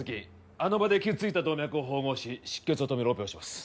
あの場で傷ついた動脈を縫合し出血を止めるオペをします